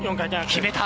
決めた。